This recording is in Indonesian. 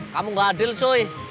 kamu nggak adil soi